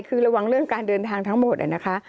คือระวังเรื่องการเดินทางทั้งหมดนะคะ